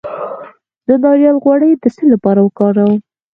د ناریل غوړي د څه لپاره وکاروم؟